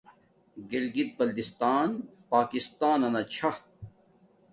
گلگت بلتستان پاکستانانا چھا